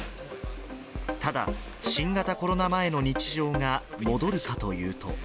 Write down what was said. ただ、新型コロナ前の日常が戻るかというと。